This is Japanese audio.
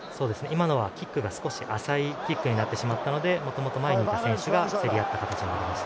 今のはキックが少し浅いキックになったのでもともと前にいた選手が競り合った形です。